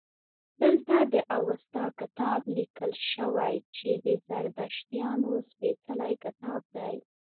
دلته د اوستا کتاب لیکل شوی چې د زردشتیانو سپیڅلی کتاب دی